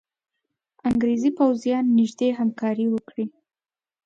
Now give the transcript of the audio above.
انګرېزي پوځیان نیژدې همکاري وکړي.